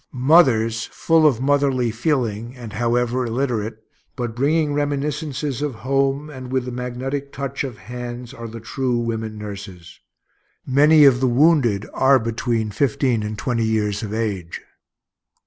Mothers full of motherly feeling, and however illiterate, but bringing reminiscences of home, and with the magnetic touch of hands, are the true women nurses. Many of the wounded are between fifteen and twenty years of age.